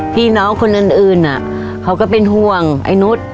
พี่น้องคนอื่นเขาก็เป็นห่วงไอ้นุษย์